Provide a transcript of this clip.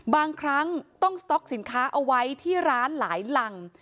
บางครั้งต้องสต๊อกสินค้าเอาไว้ที่ร้านหลายรัง